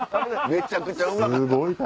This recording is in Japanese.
めちゃくちゃうまかった。